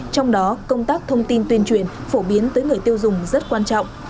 trong đó công tác thông tin tuyên truyền phổ biến tới người tiêu dùng rất quan trọng